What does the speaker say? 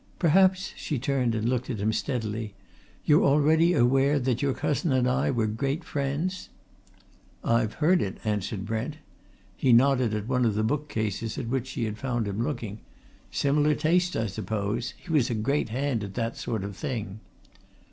Perhaps" she turned and looked at him steadily "you're already aware that your cousin and I were great friends?" "I've heard it," answered Brent. He nodded at one of the book cases at which she had found him looking. "Similar tastes, I suppose? He was a great hand at that sort of thing."